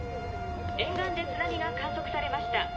沿岸で津波が観測されました。